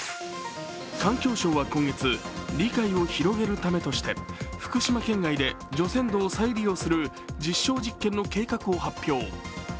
環境省は今月、理解を広げるためとして福島県外で除染土を再利用する実証実験の計画を発表。